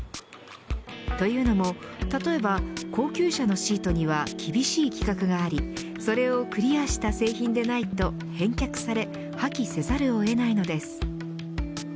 というのも、例えば高級車のシートには厳しい規格がありそれをクリアした製品でないと返却され破棄せざるをえないのです。